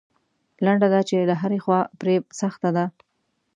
لنډه دا چې له هرې خوا پرې سخته ده.